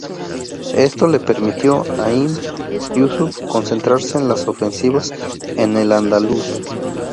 Esto le permitió a Ibn Yúsuf concentrarse en las ofensivas en al-Ándalus.